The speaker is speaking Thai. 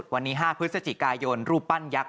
วันนี้๕พฤศจิกายนรูปปั้นยักษ